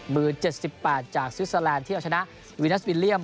๗๘จากสวิสเตอร์แลนดที่เอาชนะวีนัสวิลเลี่ยม